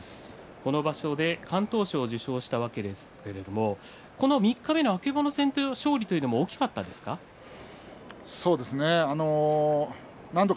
この場所で敢闘賞を受賞したわけですけれども三日目の曙戦の勝利も大きかったですか？